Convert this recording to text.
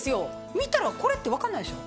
見たらこれって分かんないでしょ。